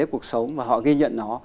cuộc sống và họ ghi nhận nó